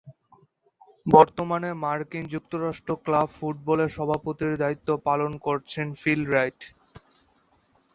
বর্তমানে মার্কিন যুক্তরাষ্ট্র ক্লাব ফুটবলের সভাপতির দায়িত্ব পালন করছেন ফিল রাইট।